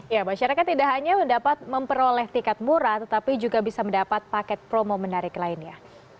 ya masyarakat tidak hanya dapat memperoleh tiket murah tetapi juga bisa mendapat paket promo menarik lainnya